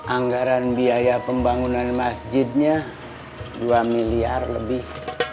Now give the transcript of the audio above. anggaran biaya pembangunan masjidnya dua miliar lebih